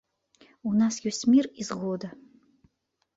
У нас ёсць мір і згода.